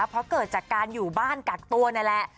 เพราะเกิดจากการอยู่บ้านกักตัวนั่นแหละ